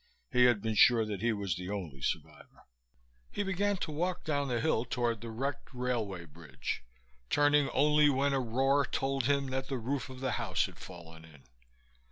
He had been sure that he was the only survivor. He began to walk down the hill toward the wrecked railway bridge, turning only when a roar told him that the roof of the house had fallen in.